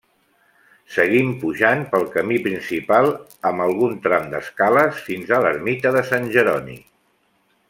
Seguim pujant pel camí principal amb algun tram d'escales, fins a l'ermita de Sant Jeroni.